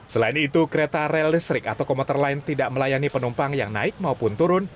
selain itu kereta rel listrik atau komuter lain tidak melayani penumpang yang naik maupun turun